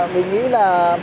mình nghĩ là